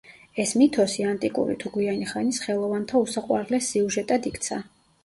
ეს მითოსი ანტიკური თუ გვიანი ხანის ხელოვანთა უსაყვარლეს სიუჟეტად იქცა.